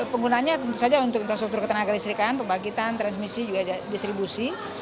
penggunanya tentu saja untuk infrastruktur ketenaga listrikan pembangkitan transmisi juga distribusi